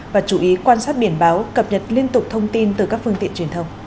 và chú ý quan sát biển báo cập nhật liên tục thông tin từ các phương tiện truyền thông